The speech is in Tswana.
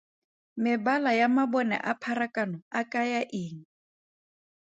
Mebala ya mabone a pharakano a kaya eng?